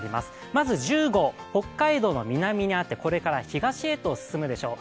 まず１０号北海道の南にあってこれから東へと進むでしょう。